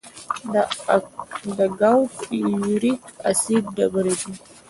د ګاؤټ د یوریک اسید ډبرې دي.